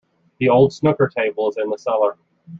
The old snooker table is in the cellar.